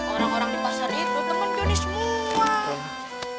orang orang di pasar itu temen jonny semua